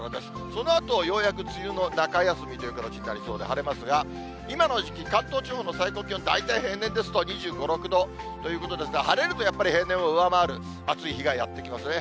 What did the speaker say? そのあとようやく梅雨の中休みという形になりそうで、晴れますが、今の時期、関東地方の最高気温、大体平年ですと２５、６度ということですが、晴れるとやっぱり平年を上回る暑い日がやってきますね。